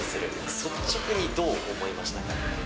率直にどう思いましたか？